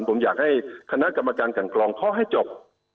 ผมอยากให้คณะกรรมการกันกรองเขาให้จบ